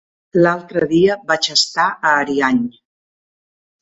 L'altre dia vaig estar a Ariany.